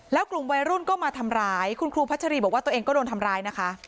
แล้วกลุ่มวัยรุ่นก็มาทำร้ายคุณครูพัชรีบอกว่าตัวเองก็โดนทำร้ายนะคะ